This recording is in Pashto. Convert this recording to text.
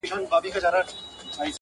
الله تعالی منتقم ذات دی.